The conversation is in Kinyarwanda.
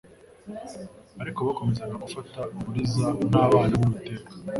Ariko bakomeza gufata uburiza nk'abana b'Uwiteka,